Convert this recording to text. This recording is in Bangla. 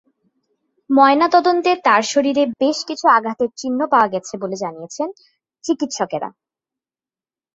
ময়নাতদন্তে তাঁর শরীরে বেশ কিছু আঘাতের চিহ্ন পাওয়া গেছে বলে জানিয়েছেন চিকিৎসকেরা।